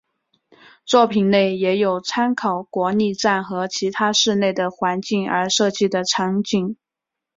作品内也有参考国立站和其他市内的环境而设计的场景。